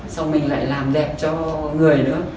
xong mình lại làm đẹp cho người nữa